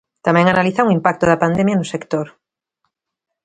Tamén analizan o impacto da pandemia no sector.